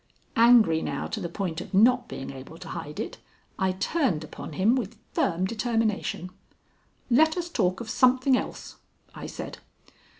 Angry now to the point of not being able to hide it, I turned upon him with firm determination. "Let us talk of something else," I said.